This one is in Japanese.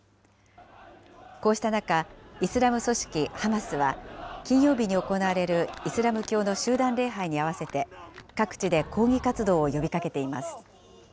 こうした中、イスラム組織ハマスは金曜日に行われるイスラム教の集団礼拝に合わせて、各地で抗議活動を呼びかけています。